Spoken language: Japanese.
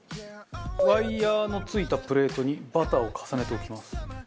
ワイヤーの付いたプレートにバターを重ねて置きます。